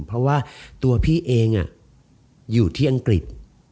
เพราะว่าตัวพี่เองอยู่ที่อังกฤษ